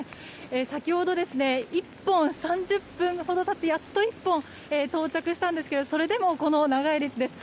先ほど、３０分ほど経ってやっと１本到着したんですがそれでもこの長い列です。